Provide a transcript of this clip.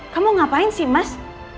kamu ngapain sih mas